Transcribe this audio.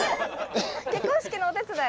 結婚式のお手伝い？